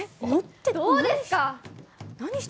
どうですか。